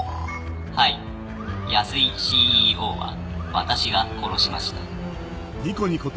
はい安井ＣＥＯは私が殺しました。